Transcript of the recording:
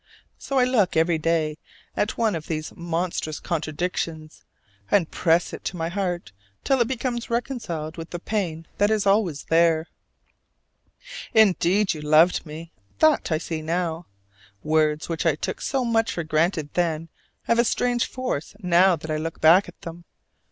So I look every day at one of these monstrous contradictions, and press it to my heart till it becomes reconciled with the pain that is there always. Indeed you loved me: that I see now. Words which I took so much for granted then have a strange force now that I look back at them.